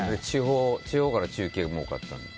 地方から中継も多かった。